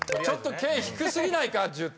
ちょっと健低過ぎないか？